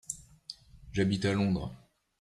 J'habite à Londres.